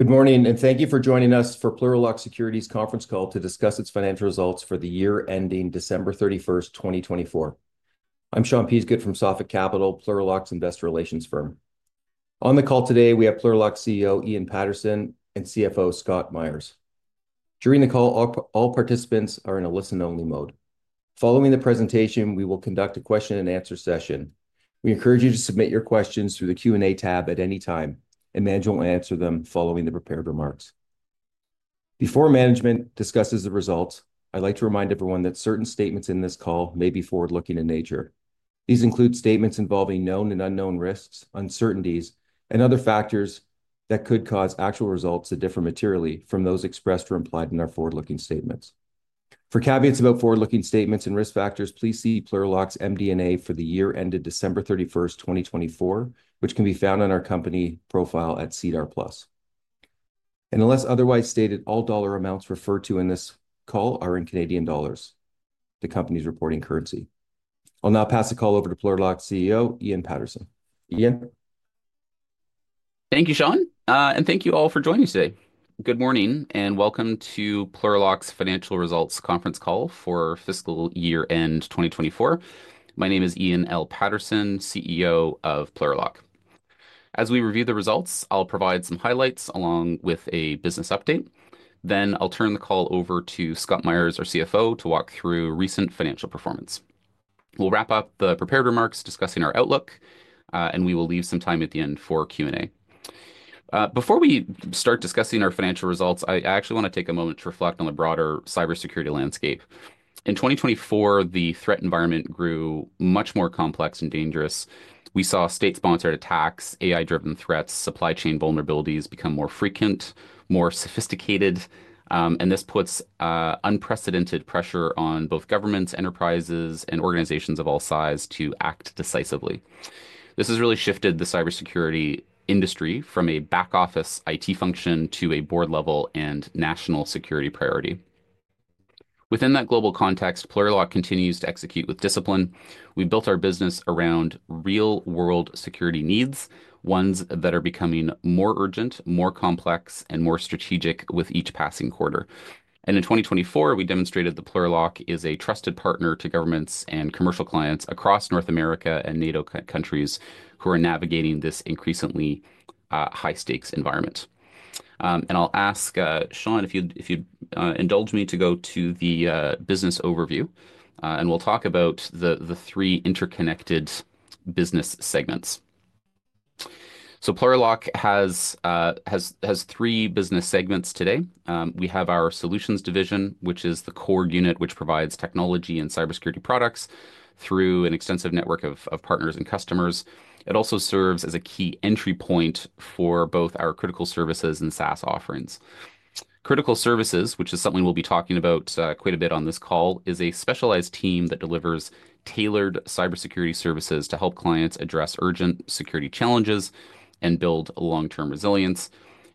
Good morning, and thank you for joining us for Plurilock Security's Conference Call to discuss its financial results for the year ending December 31, 2024. I'm Sean Peasgood from Sophic Capital, Plurilock's investor relations firm. On the call today, we have Plurilock CEO Ian Paterson and CFO Scott Meyers. During the call, all participants are in a listen-only mode. Following the presentation, we will conduct a question-and-answer session. We encourage you to submit your questions through the Q&A tab at any time, and management will answer them following the prepared remarks. Before management discusses the results, I'd like to remind everyone that certain statements in this call may be forward-looking in nature. These include statements involving known and unknown risks, uncertainties, and other factors that could cause actual results to differ materially from those expressed or implied in our forward-looking statements. For caveats about forward-looking statements and risk factors, please see Plurilock's MD&A for the year ended December 31, 2024, which can be found on our company profile at Cedar Plus. Unless otherwise stated, all dollar amounts referred to in this call are in Canadian dollars, the company's reporting currency. I'll now pass the call over to Plurilock CEO Ian Paterson. Ian. Thank you, Sean, and thank you all for joining us today. Good morning, and welcome to Plurilock's financial results conference call for fiscal year-end 2024. My name is Ian L. Paterson, CEO of Plurilock. As we review the results, I'll provide some highlights along with a business update. I will turn the call over to Scott Meyers, our CFO, to walk through recent financial performance. We will wrap up the prepared remarks discussing our outlook, and we will leave some time at the end for Q&A. Before we start discussing our financial results, I actually want to take a moment to reflect on the broader cybersecurity landscape. In 2024, the threat environment grew much more complex and dangerous. We saw state-sponsored attacks, AI-driven threats, and supply chain vulnerabilities become more frequent, more sophisticated, and this puts unprecedented pressure on both governments, enterprises, and organizations of all size to act decisively. This has really shifted the cybersecurity industry from a back-office IT function to a board-level and national security priority. Within that global context, Plurilock continues to execute with discipline. We built our business around real-world security needs, ones that are becoming more urgent, more complex, and more strategic with each passing quarter. In 2024, we demonstrated that Plurilock is a trusted partner to governments and commercial clients across North America and NATO countries who are navigating this increasingly high-stakes environment. I'll ask Sean if you'd indulge me to go to the business overview, and we'll talk about the three interconnected business segments. Plurilock has three business segments today. We have our Solutions Division, which is the core unit that provides technology and cybersecurity products through an extensive network of partners and customers. It also serves as a key entry point for both our Critical Services and SaaS offerings. Critical Services, which is something we'll be talking about quite a bit on this call, is a specialized team that delivers tailored cybersecurity services to help clients address urgent security challenges and build long-term resilience.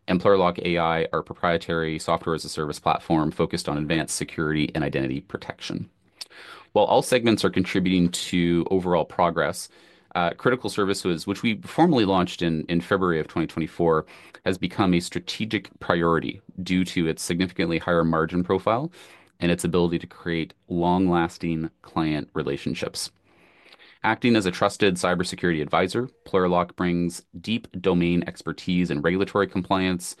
Plurilock AI, our proprietary software as a service platform, is focused on advanced security and identity protection. While all segments are contributing to overall progress, Critical Services, which we formally launched in February of 2024, has become a strategic priority due to its significantly higher margin profile and its ability to create long-lasting client relationships. Acting as a trusted cybersecurity advisor, Plurilock brings deep domain expertise in regulatory compliance,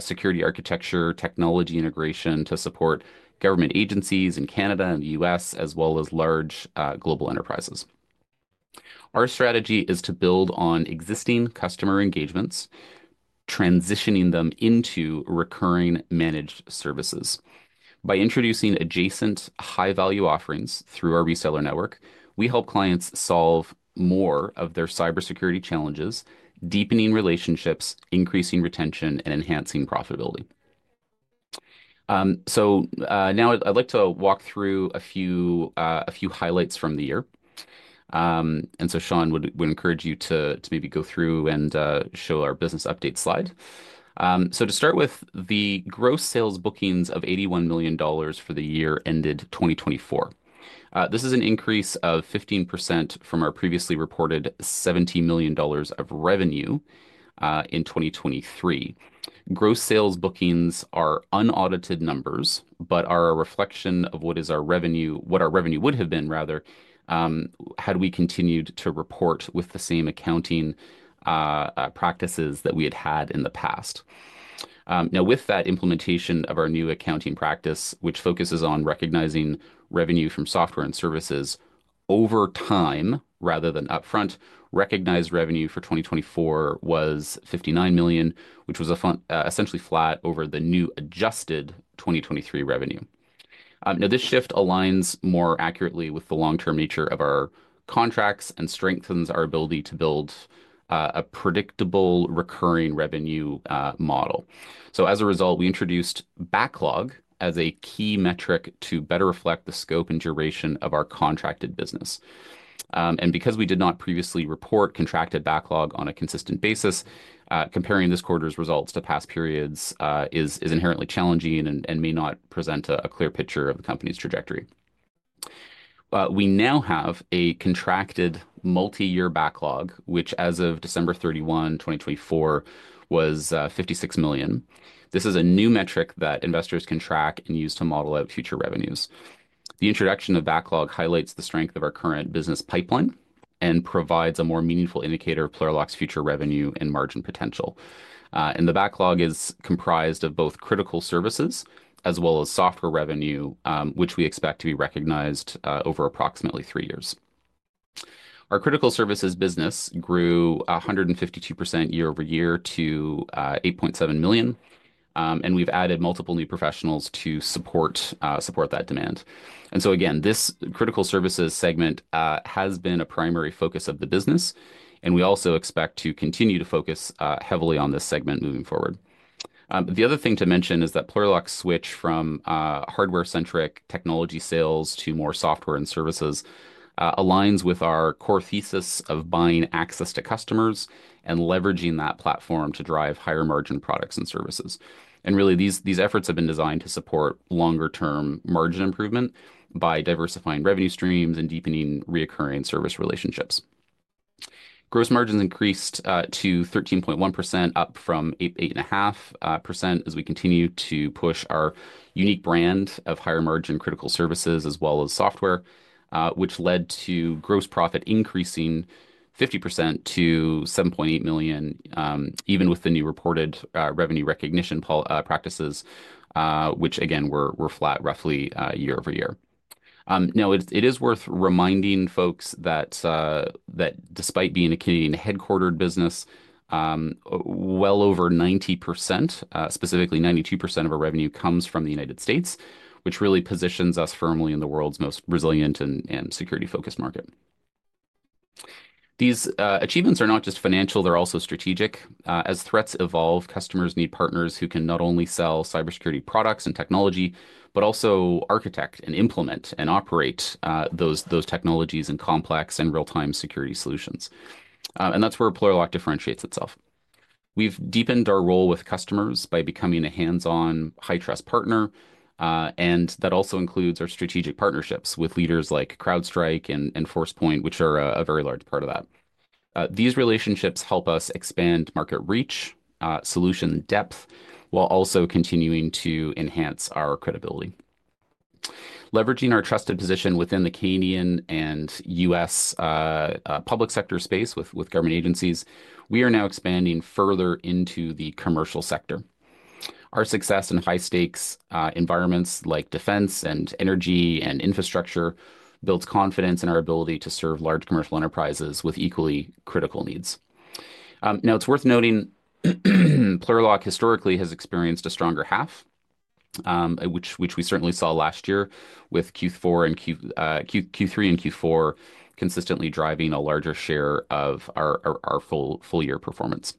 security architecture, and technology integration to support government agencies in Canada and the U.S., as well as large global enterprises. Our strategy is to build on existing customer engagements, transitioning them into recurring managed services. By introducing adjacent high-value offerings through our reseller network, we help clients solve more of their cybersecurity challenges, deepening relationships, increasing retention, and enhancing profitability. I would like to walk through a few highlights from the year. Sean, I would encourage you to maybe go through and show our business update slide. To start with, the gross sales bookings of 81 million dollars for the year ended 2024. This is an increase of 15% from our previously reported 70 million dollars of revenue in 2023. Gross sales bookings are unaudited numbers but are a reflection of what our revenue would have been, rather, had we continued to report with the same accounting practices that we had had in the past. Now, with that implementation of our new accounting practice, which focuses on recognizing revenue from software and services over time rather than upfront, recognized revenue for 2024 was 59 million, which was essentially flat over the new adjusted 2023 revenue. This shift aligns more accurately with the long-term nature of our contracts and strengthens our ability to build a predictable recurring revenue model. As a result, we introduced backlog as a key metric to better reflect the scope and duration of our contracted business. Because we did not previously report contracted backlog on a consistent basis, comparing this quarter's results to past periods is inherently challenging and may not present a clear picture of the company's trajectory. We now have a contracted multi-year backlog, which as of December 31, 2024, was 56 million. This is a new metric that investors can track and use to model out future revenues. The introduction of backlog highlights the strength of our current business pipeline and provides a more meaningful indicator of Plurilock's future revenue and margin potential. The backlog is comprised of both critical services as well as software revenue, which we expect to be recognized over approximately three years. Our critical services business grew 152% year-over-year to 8.7 million, and we've added multiple new professionals to support that demand. This critical services segment has been a primary focus of the business, and we also expect to continue to focus heavily on this segment moving forward. The other thing to mention is that Plurilock's switch from hardware-centric technology sales to more software and services aligns with our core thesis of buying access to customers and leveraging that platform to drive higher margin products and services. Really, these efforts have been designed to support longer-term margin improvement by diversifying revenue streams and deepening recurring service relationships. Gross margins increased to 13.1%, up from 8.5% as we continue to push our unique brand of higher margin Critical Services as well as software, which led to gross profit increasing 50% to 7.8 million, even with the new reported revenue recognition practices, which again were flat roughly year over year. Now, it is worth reminding folks that despite being a Canadian headquartered business, well over 90%, specifically 92% of our revenue comes from the United States, which really positions us firmly in the world's most resilient and security-focused market. These achievements are not just financial; they're also strategic. As threats evolve, customers need partners who can not only sell cybersecurity products and technology but also architect and implement and operate those technologies in complex and real-time security solutions. That is where Plurilock differentiates itself. We've deepened our role with customers by becoming a hands-on, high-trust partner, and that also includes our strategic partnerships with leaders like CrowdStrike and Forcepoint, which are a very large part of that. These relationships help us expand market reach and solution depth, while also continuing to enhance our credibility. Leveraging our trusted position within the Canadian and U.S. public sector space with government agencies, we are now expanding further into the commercial sector. Our success in high-stakes environments like defense and energy and infrastructure builds confidence in our ability to serve large commercial enterprises with equally critical needs. Now, it's worth noting Plurilock historically has experienced a stronger half, which we certainly saw last year with Q4, Q3 and Q4 consistently driving a larger share of our full-year performance.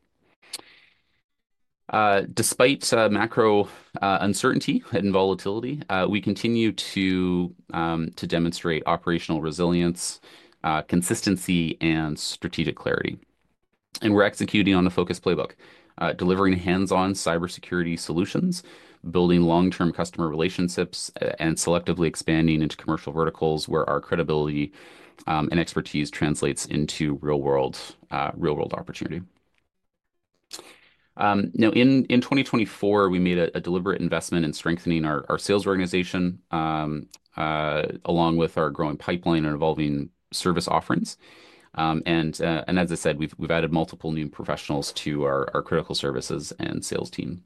Despite macro uncertainty and volatility, we continue to demonstrate operational resilience, consistency, and strategic clarity. We are executing on a focused playbook, delivering hands-on cybersecurity solutions, building long-term customer relationships, and selectively expanding into commercial verticals where our credibility and expertise translates into real-world opportunity. In 2024, we made a deliberate investment in strengthening our sales organization along with our growing pipeline and evolving service offerings. As I said, we've added multiple new professionals to our critical services and sales team.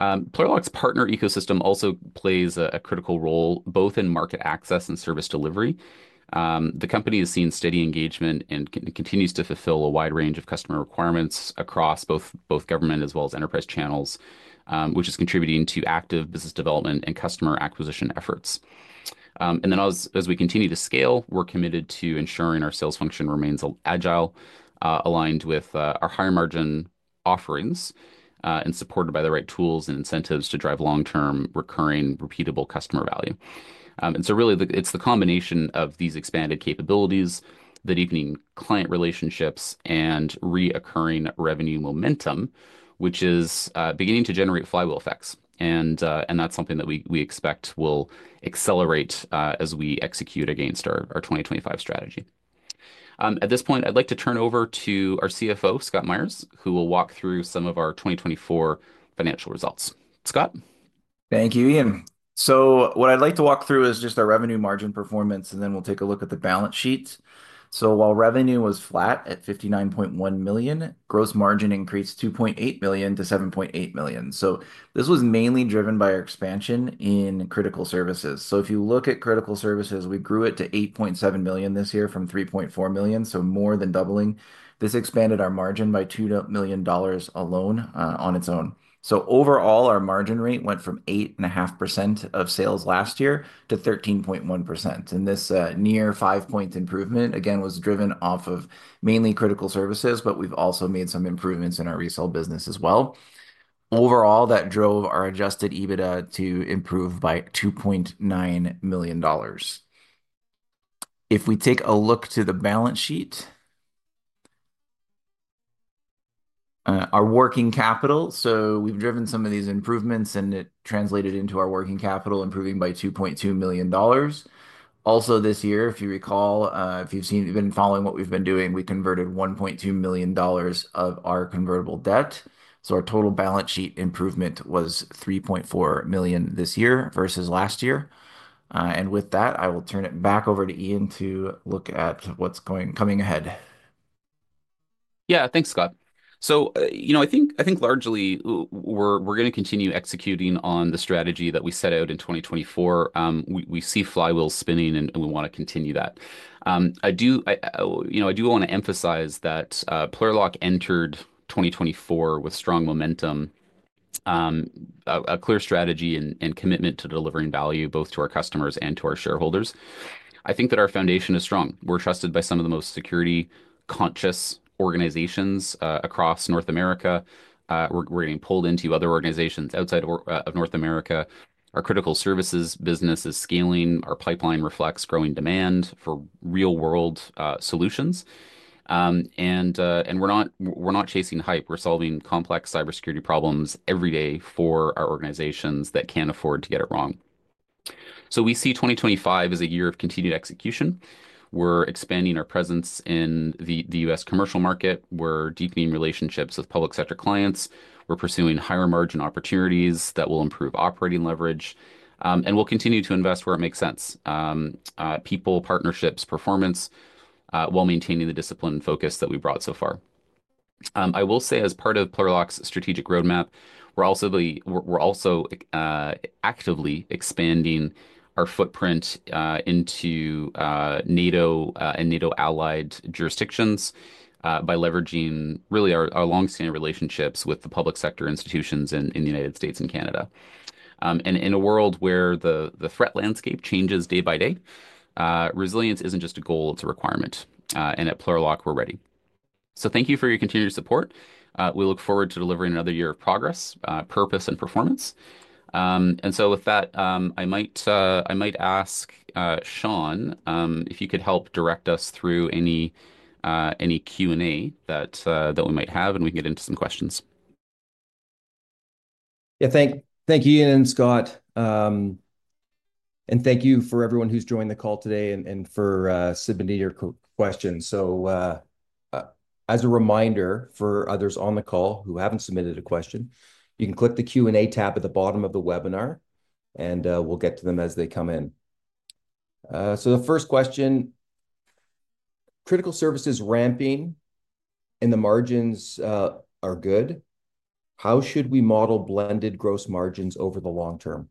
Plurilock's partner ecosystem also plays a critical role both in market access and service delivery. The company has seen steady engagement and continues to fulfill a wide range of customer requirements across both government as well as enterprise channels, which is contributing to active business development and customer acquisition efforts. As we continue to scale, we're committed to ensuring our sales function remains agile, aligned with our higher margin offerings and supported by the right tools and incentives to drive long-term, recurring, repeatable customer value. It is the combination of these expanded capabilities, the deepening client relationships, and recurring revenue momentum, which is beginning to generate flywheel effects. That is something that we expect will accelerate as we execute against our 2025 strategy. At this point, I'd like to turn over to our CFO, Scott Meyers, who will walk through some of our 2024 financial results. Scott. Thank you, Ian. What I'd like to walk through is just our revenue margin performance, and then we'll take a look at the balance sheet. While revenue was flat at 59.1 million, gross margin increased 2.8 million to 7.8 million. This was mainly driven by our expansion in critical services. If you look at critical services, we grew it to 8.7 million this year from 3.4 million, so more than doubling. This expanded our margin by 2 million dollars alone on its own. Overall, our margin rate went from 8.5% of sales last year to 13.1%. This near 5 point improvement, again, was driven off of mainly critical services, but we've also made some improvements in our resale business as well. Overall, that drove our adjusted EBITDA to improve by 2.9 million dollars. If we take a look to the balance sheet, our working capital, so we've driven some of these improvements, and it translated into our working capital improving by 2.2 million dollars. Also this year, if you recall, if you've been following what we've been doing, we converted 1.2 million dollars of our convertible debt. Our total balance sheet improvement was 3.4 million this year versus last year. With that, I will turn it back over to Ian to look at what's coming ahead. Yeah, thanks, Scott. I think largely we're going to continue executing on the strategy that we set out in 2024. We see flywheels spinning, and we want to continue that. I do want to emphasize that Plurilock entered 2024 with strong momentum, a clear strategy, and commitment to delivering value both to our customers and to our shareholders. I think that our foundation is strong. We're trusted by some of the most security-conscious organizations across North America. We're getting pulled into other organizations outside of North America. Our critical services business is scaling. Our pipeline reflects growing demand for real-world solutions. We're not chasing hype. We're solving complex cybersecurity problems every day for our organizations that can't afford to get it wrong. We see 2025 as a year of continued execution. We're expanding our presence in the U.S. commercial market. We're deepening relationships with public sector clients. We're pursuing higher margin opportunities that will improve operating leverage. We'll continue to invest where it makes sense: people, partnerships, performance, while maintaining the discipline and focus that we brought so far. I will say, as part of Plurilock's strategic roadmap, we're also actively expanding our footprint into NATO and NATO-allied jurisdictions by leveraging really our long-standing relationships with the public sector institutions in the United States and Canada. In a world where the threat landscape changes day by day, resilience isn't just a goal, it's a requirement. At Plurilock, we're ready. Thank you for your continued support. We look forward to delivering another year of progress, purpose, and performance. With that, I might ask Sean if you could help direct us through any Q&A that we might have, and we can get into some questions. Yeah, thank you, Ian and Scott. Thank you for everyone who's joined the call today and for submitting your questions. As a reminder for others on the call who haven't submitted a question, you can click the Q&A tab at the bottom of the webinar, and we'll get to them as they come in. The first question: Critical services ramping and the margins are good. How should we model blended gross margins over the long term?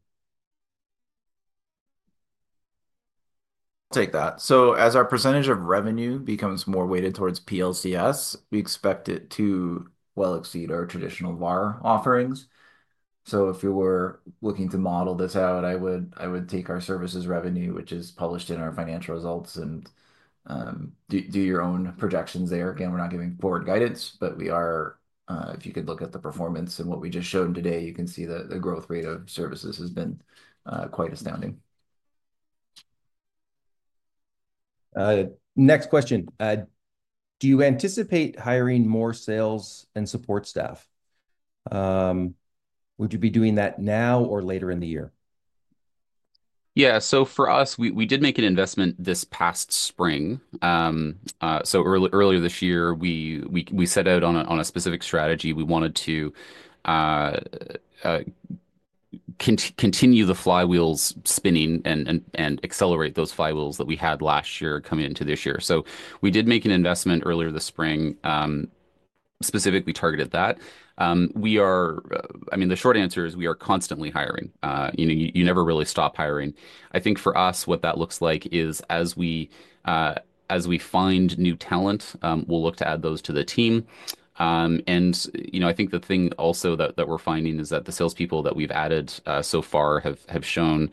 I'll take that. As our percentage of revenue becomes more weighted towards PLCs, we expect it to well exceed our traditional VAR offerings. If you were looking to model this out, I would take our services revenue, which is published in our financial results, and do your own projections there. Again, we're not giving forward guidance, but we are. If you could look at the performance and what we just showed today, you can see that the growth rate of services has been quite astounding. Next question: Do you anticipate hiring more sales and support staff? Would you be doing that now or later in the year? Yeah. For us, we did make an investment this past spring. Earlier this year, we set out on a specific strategy. We wanted to continue the flywheels spinning and accelerate those flywheels that we had last year coming into this year. We did make an investment earlier this spring, specifically targeted that. I mean, the short answer is we are constantly hiring. You never really stop hiring. I think for us, what that looks like is as we find new talent, we'll look to add those to the team. I think the thing also that we're finding is that the salespeople that we've added so far have shown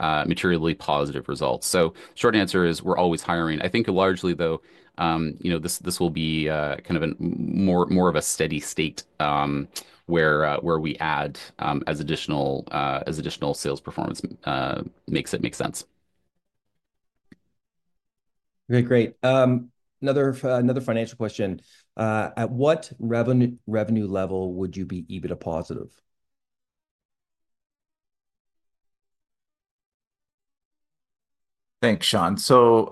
materially positive results. Short answer is we're always hiring. I think largely, though, this will be kind of more of a steady state where we add as additional sales performance makes sense. Okay, great. Another financial question: At what revenue level would you be EBITDA positive? Thanks, Sean.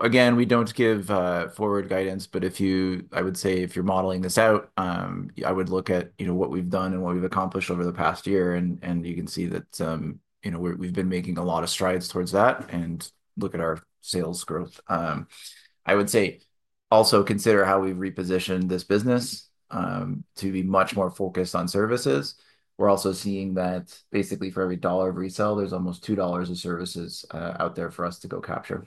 Again, we don't give forward guidance, but I would say if you're modeling this out, I would look at what we've done and what we've accomplished over the past year, and you can see that we've been making a lot of strides towards that and look at our sales growth. I would say also consider how we've repositioned this business to be much more focused on services. We're also seeing that basically for every dollar of resale, there's almost 2 dollars of services out there for us to go capture.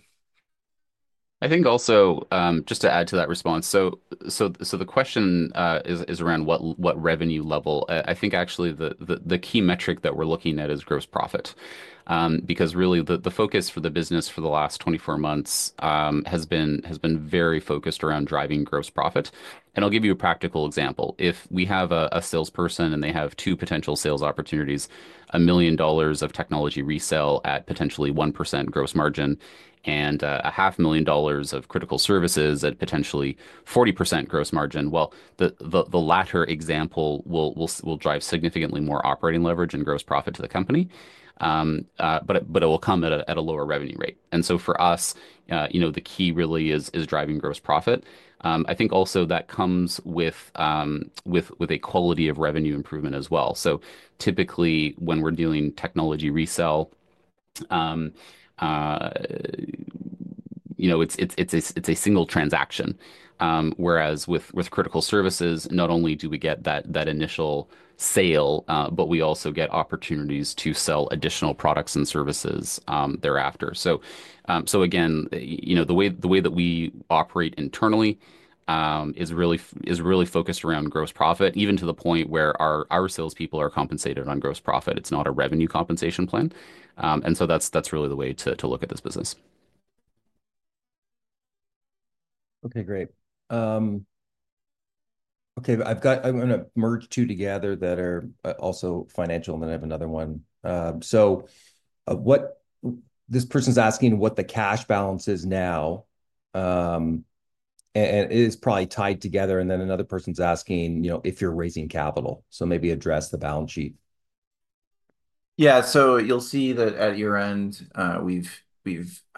I think also just to add to that response, the question is around what revenue level. I think actually the key metric that we're looking at is gross profit because really the focus for the business for the last 24 months has been very focused around driving gross profit. I mean, I'll give you a practical example. If we have a salesperson and they have two potential sales opportunities, 1 million dollars of technology resale at potentially 1% gross margin, and 500,000 dollars of critical services at potentially 40% gross margin, the latter example will drive significantly more operating leverage and gross profit to the company, but it will come at a lower revenue rate. For us, the key really is driving gross profit. I think also that comes with a quality of revenue improvement as well. Typically when we're doing technology resale, it's a single transaction. Whereas with critical services, not only do we get that initial sale, but we also get opportunities to sell additional products and services thereafter. Again, the way that we operate internally is really focused around gross profit, even to the point where our salespeople are compensated on gross profit. It's not a revenue compensation plan. That's really the way to look at this business. Okay, great. Okay, I'm going to merge two together that are also financial, and then I have another one. This person's asking what the cash balance is now, and it is probably tied together. Another person's asking if you're raising capital? so maybe address the balance sheet. Yeah. You'll see that at year end, we've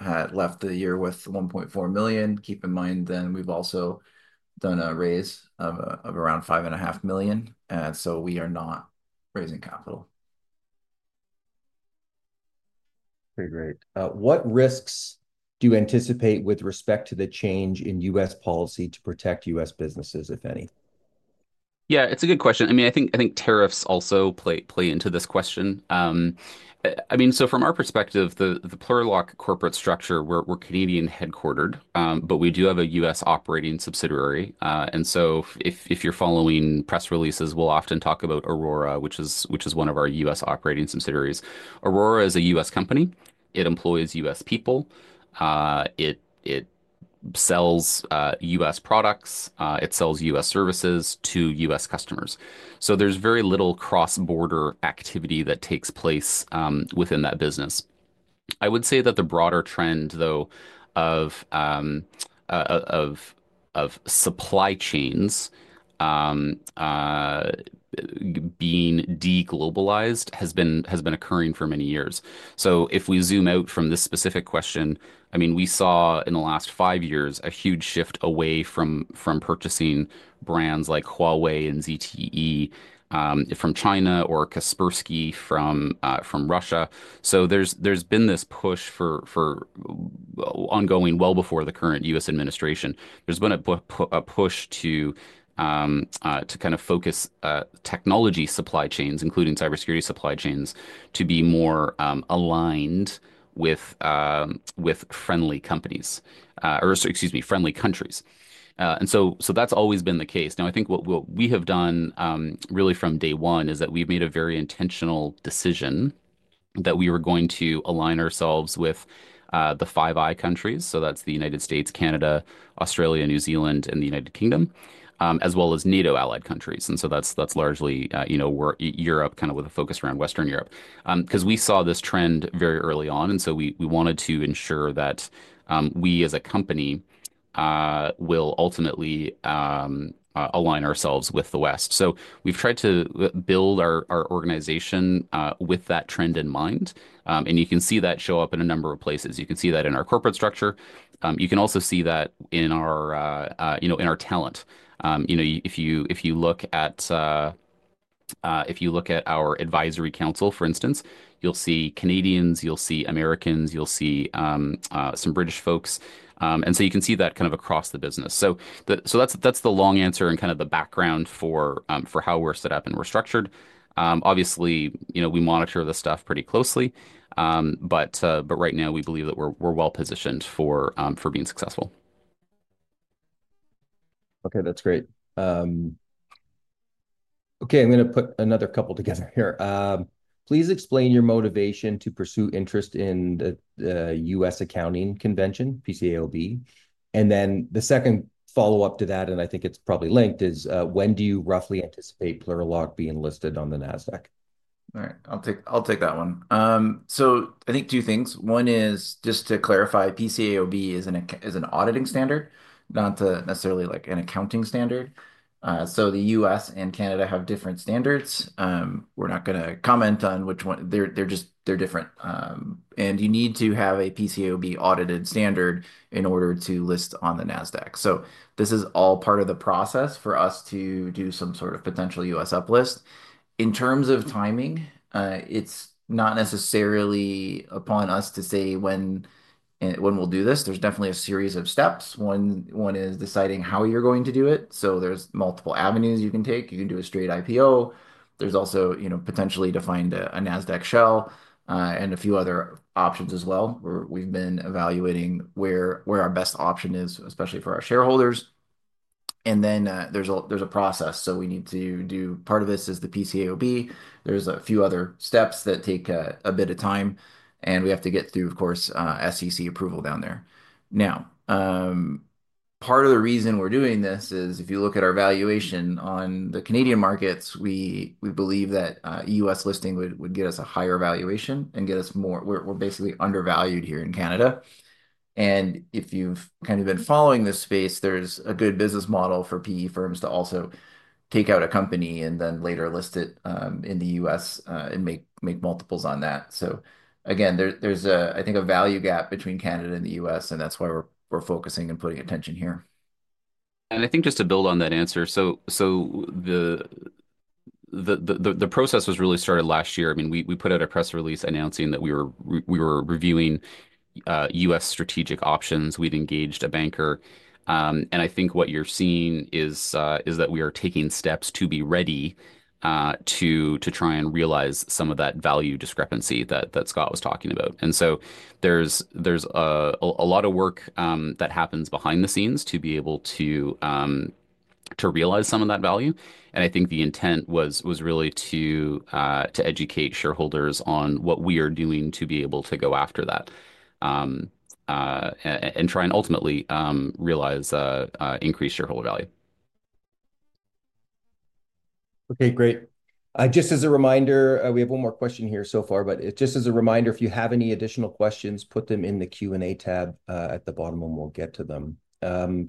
left the year with 1.4 million. Keep in mind we've also done a raise of around 5.5 million. We are not raising capital. Okay, great. What risks do you anticipate with respect to the change in U.S. policy to protect U.S. businesses, if any? Yeah, it's a good question. I mean, I think tariffs also play into this question. I mean, from our perspective, the Plurilock corporate structure, we're Canadian-headquartered, but we do have a U.S. operating subsidiary. If you're following press releases, we'll often talk about Aurora, which is one of our U.S. operating subsidiaries. Aurora is a U.S. company. It employs U.S. people. It sells U.S. products. It sells U.S. services to U.S. customers. There is very little cross-border activity that takes place within that business. I would say that the broader trend, though, of supply chains being deglobalized has been occurring for many years. If we zoom out from this specific question, I mean, we saw in the last five years a huge shift away from purchasing brands like HUAWEI and ZTE from China or Kaspersky from Russia. There's been this push for ongoing well before the current U.S. administration. There's been a push to kind of focus technology supply chains, including cybersecurity supply chains, to be more aligned with friendly companies or, excuse me, friendly countries. That's always been the case. Now, I think what we have done really from day one is that we've made a very intentional decision that we were going to align ourselves with the Five Eyes countries. That's the United States, Canada, Australia, New Zealand, and the United Kingdom, as well as NATO-allied countries. That's largely Europe, kind of with a focus around Western Europe. We saw this trend very early on, and we wanted to ensure that we as a company will ultimately align ourselves with the West. We've tried to build our organization with that trend in mind. You can see that show up in a number of places. You can see that in our corporate structure. You can also see that in our talent. If you look at our advisory council, for instance, you'll see Canadians, you'll see Americans, you'll see some British folks. You can see that kind of across the business. That is the long answer and kind of the background for how we're set up and we're structured. Obviously, we monitor this stuff pretty closely, but right now we believe that we're well positioned for being successful. Okay, that's great. Okay, I'm going to put another couple together here. Please explain your motivation to pursue interest in the U.S. Accounting Convention, PCAOB. The second follow-up to that, and I think it's probably linked, is when do you roughly anticipate Plurilock being listed on the NASDAQ? All right, I'll take that one. I think two things. One is just to clarify, PCAOB is an auditing standard, not necessarily like an accounting standard. The U.S. and Canada have different standards. We're not going to comment on which one. They're different. You need to have a PCAOB-audited standard in order to list on the NASDAQ. This is all part of the process for us to do some sort of potential U.S. uplist. In terms of timing, it's not necessarily upon us to say when we'll do this. There's definitely a series of steps. One is deciding how you're going to do it. There are multiple avenues you can take. You can do a straight IPO. There is also potentially to find a NASDAQ shell and a few other options as well. We've been evaluating where our best option is, especially for our shareholders. There is a process. We need to do part of this, which is the PCAOB. There are a few other steps that take a bit of time. We have to get through, of course, SEC approval down there. Part of the reason we're doing this is if you look at our valuation on the Canadian markets, we believe that a U.S. listing would get us a higher valuation and get us more. We're basically undervalued here in Canada. If you've kind of been following this space, there's a good business model for PE firms to also take out a company and then later list it in the U.S. and make multiples on that. I think there's a value gap between Canada and the U.S., and that's why we're focusing and putting attention here. I think just to build on that answer, the process was really started last year. I mean, we put out a press release announcing that we were reviewing U.S. strategic options. We had engaged a banker. I think what you are seeing is that we are taking steps to be ready to try and realize some of that value discrepancy that Scott was talking about. There is a lot of work that happens behind the scenes to be able to realize some of that value. I think the intent was really to educate shareholders on what we are doing to be able to go after that and try and ultimately realize increased shareholder value. Okay, great. Just as a reminder, we have one more question here so far. Just as a reminder, if you have any additional questions, put them in the Q&A tab at the bottom and we'll get to them. One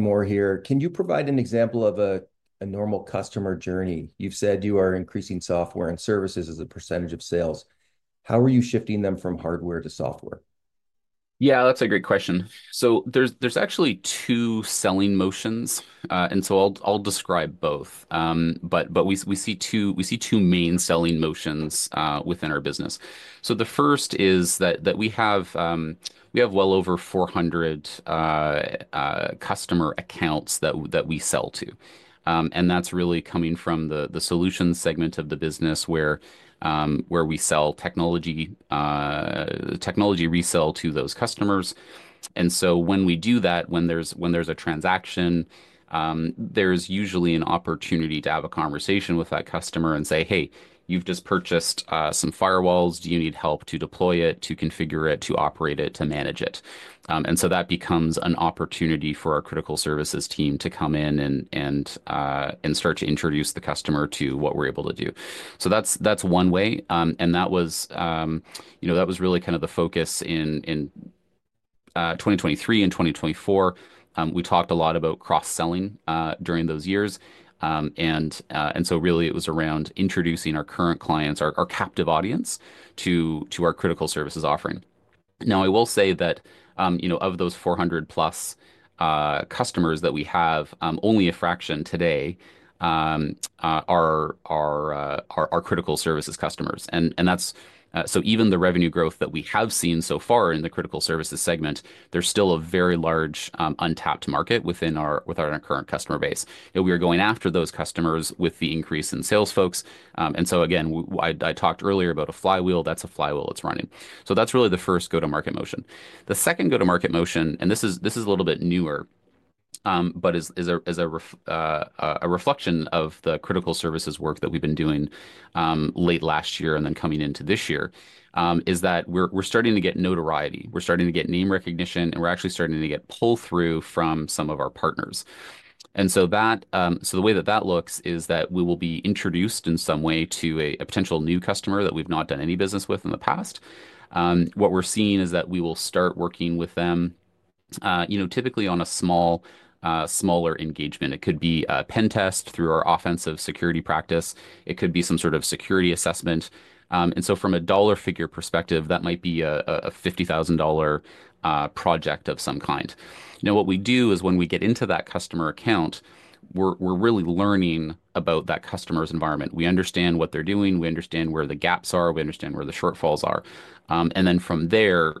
more here. Can you provide an example of a normal customer journey? You've said you are increasing software and services as a percentage of sales. How are you shifting them from hardware to software? Yeah, that's a great question. There are actually two selling motions. I'll describe both. We see two main selling motions within our business. The first is that we have well over 400 customer accounts that we sell to. That's really coming from the solution segment of the business where we sell technology resale to those customers. When we do that, when there's a transaction, there's usually an opportunity to have a conversation with that customer and say, "Hey, you've just purchased some firewalls. Do you need help to deploy it, to configure it, to operate it, to manage it?" That becomes an opportunity for our critical services team to come in and start to introduce the customer to what we're able to do. That's one way. That was really kind of the focus in 2023 and 2024. We talked a lot about cross-selling during those years. It was around introducing our current clients, our captive audience, to our critical services offering. I will say that of those 400+ customers that we have, only a fraction today are our critical services customers. Even the revenue growth that we have seen so far in the critical services segment, there is still a very large untapped market within our current customer base. We are going after those customers with the increase in sales folks. I talked earlier about a flywheel. That is a flywheel that is running. That is really the first go-to-market motion. The second go-to-market motion, and this is a little bit newer, but is a reflection of the critical services work that we have been doing late last year and then coming into this year, is that we are starting to get notoriety. We're starting to get name recognition, and we're actually starting to get pull-through from some of our partners. The way that that looks is that we will be introduced in some way to a potential new customer that we've not done any business with in the past. What we're seeing is that we will start working with them typically on a smaller engagement. It could be a pen test through our offensive security practice. It could be some sort of security assessment. From a dollar figure perspective, that might be a 50,000 dollar project of some kind. Now, what we do is when we get into that customer account, we're really learning about that customer's environment. We understand what they're doing. We understand where the gaps are. We understand where the shortfalls are. From there,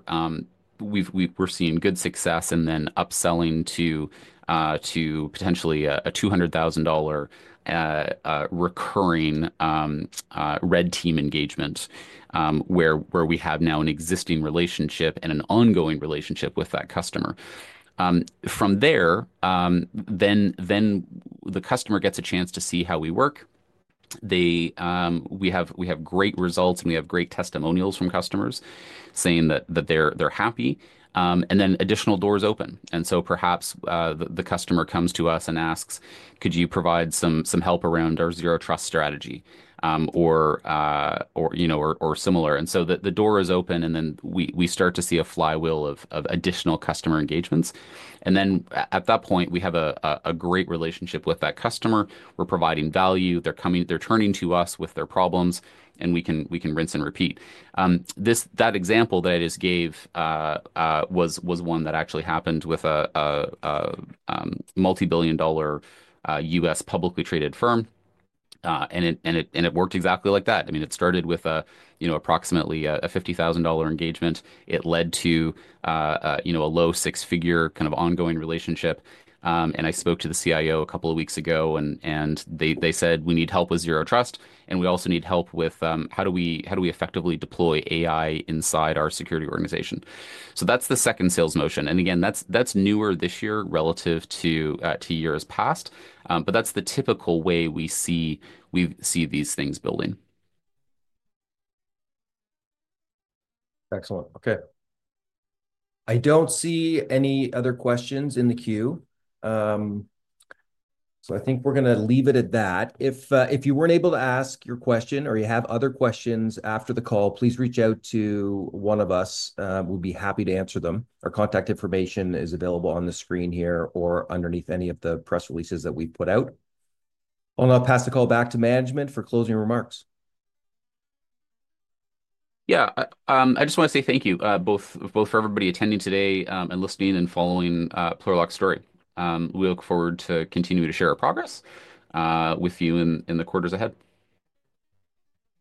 we're seeing good success and then upselling to potentially a 200,000 dollar recurring red team engagement where we have now an existing relationship and an ongoing relationship with that customer. From there, the customer gets a chance to see how we work. We have great results, and we have great testimonials from customers saying that they're happy. Additional doors open. Perhaps the customer comes to us and asks, "Could you provide some help around our zero trust strategy or similar?" The door is open, and we start to see a flywheel of additional customer engagements. At that point, we have a great relationship with that customer. We're providing value. They're turning to us with their problems, and we can rinse and repeat. That example that I just gave was one that actually happened with a multi-billion dollar U.S. publicly traded firm. It worked exactly like that. I mean, it started with approximately 50,000 dollar engagement. It led to a low six-figure kind of ongoing relationship. I spoke to the CIO a couple of weeks ago, and they said, "We need help with zero trust, and we also need help with how do we effectively deploy AI inside our security organization." That is the second sales motion. Again, that is newer this year relative to years past, but that is the typical way we see these things building. Excellent. Okay. I do not see any other questions in the queue. I think we are going to leave it at that. If you were not able to ask your question or you have other questions after the call, please reach out to one of us. We will be happy to answer them. Our contact information is available on the screen here or underneath any of the press releases that we have put out. I will now pass the call back to management for closing remarks. Yeah, I just want to say thank you both for everybody attending today and listening and following Plurilock's story. We look forward to continuing to share our progress with you in the quarters ahead.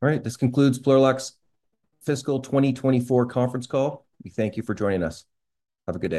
All right, this concludes Plurilock's Fiscal 2024 Conference Call. We thank you for joining us. Have a good day.